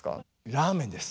ラーメンです。